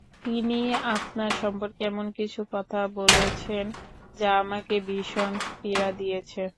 তিনি আপনার সম্পর্কে এমন কিছু কথা বলেছেন যা আমাকে ভীষণ পীড়া দিয়েছে।